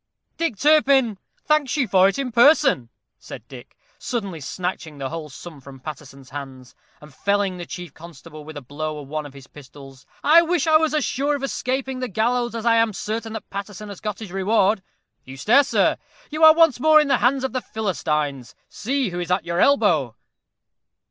"Dick Turpin thanks you for it in person," said Dick, suddenly snatching the whole sum from Paterson's hands, and felling the chief constable with a blow of one of his pistols. "I wish I was as sure of escaping the gallows as I am certain that Paterson has got his reward. You stare, sir. You are once more in the hands of the Philistines. See who is at your elbow."